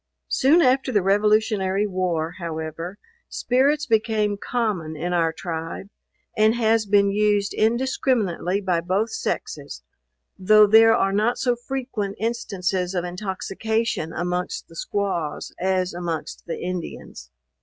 Soon after the revolutionary war, however, spirits became common in our tribe, and has been used indiscriminately by both sexes; though there are not so frequent instances of intoxication amongst the squaws as amongst the Indians.